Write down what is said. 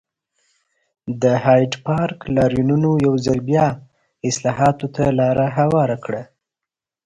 د هایډپارک لاریونونو یو ځل بیا اصلاحاتو ته لار هواره کړه.